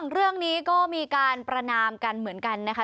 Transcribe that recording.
เรื่องนี้ก็มีการประนามกันเหมือนกันนะคะ